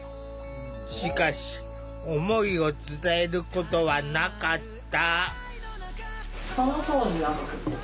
しかし思いを伝えることはなかった。